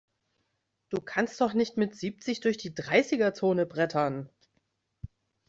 Du kannst doch nicht mit siebzig durch die Dreißiger-Zone brettern!